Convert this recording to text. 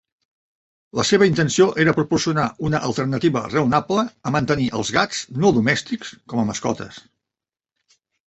La seva intenció era proporcionar una alternativa raonable a mantenir els gats no domèstics com a mascotes.